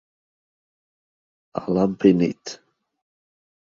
A lamp in it.